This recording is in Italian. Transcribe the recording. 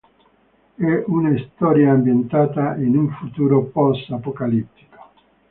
È una storia ambientata in un futuro post apocalittico.